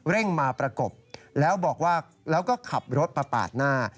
เร่งมาประกบแล้วก็ขับรถปะปาดหน้า